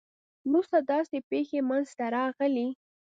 وروسته داسې پېښې منځته راغلې.